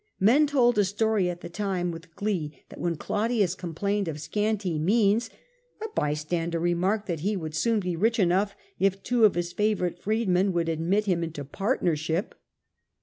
Men told a story at the time with glee that when Claudius complained of scanty means a bystander remarked that he would soon be rich enough if two of his favourite freedmen would admit him into partnership.